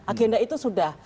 agenda itu sudah